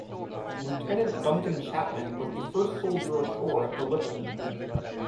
Lieutenant Duncan Chapman was the first soldier ashore at Gallipoli.